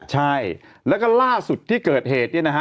ใช่แล้วก็ล่าสุดที่เกิดเหตุเนี่ยนะฮะ